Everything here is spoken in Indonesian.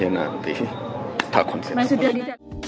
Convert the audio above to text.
ya nanti tak konfirmasi